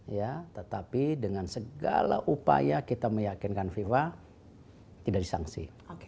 ya tetapi dengan segala upaya kita meyakinkan fifa tidak disangsi